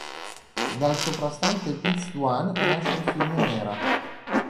Dal soprastante Piz Duan nasce il fiume Mera.